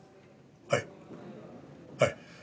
はいはい。